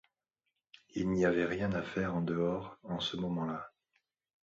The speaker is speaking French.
Il n’y avait rien à faire au-dehors en ce moment.